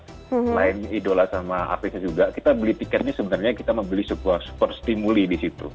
selain idola sama afrika juga kita beli tiketnya sebenarnya kita membeli sebuah stimuly di situ